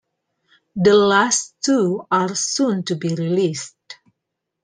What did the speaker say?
The last two are soon to be released.